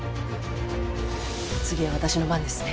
次は私の番ですね。